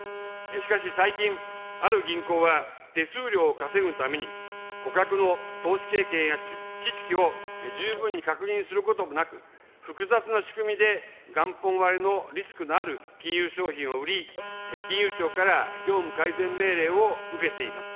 しかし最近、ある銀行は、手数料を稼ぐために、顧客の投資経験や知識を十分に確認することもなく、複雑な仕組みで元本割れのリスクのある金融商品を売り、金融庁から業務改善命令を受けています。